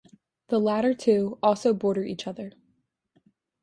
The latter two also border each other.